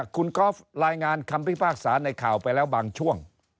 คุณก๊อฟรายงานคำพิพากษาในข่าวไปแล้วบางช่วง